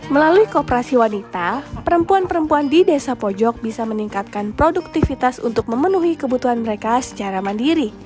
melalui kooperasi wanita perempuan perempuan di desa pojok bisa meningkatkan produktivitas untuk memenuhi kebutuhan mereka secara mandiri